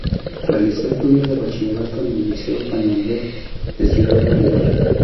Realizó estudios de bachillerato en el liceo Peñalver, de Ciudad Bolívar.